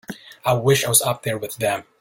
I wish I was up there with them.